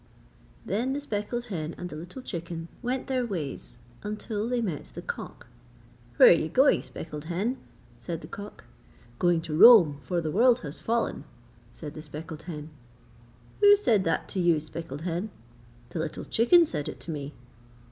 Then the speckled hen and the little chicken went their ways until they met the cock. 'Where are you going, speckled hen?' said the cock. 'Going to Rome, for the world has fallen,' said the speckled hen. 'Who said that to you, speckled hen?' 'The little chicken said it to me.'